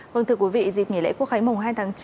vâng thưa quý vị dịp nghỉ lễ quốc khánh mùng hai tháng chín